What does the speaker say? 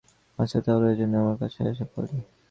আচ্ছা, তাহলে, এজন্যই আমার কাছে এসেছো, পলি।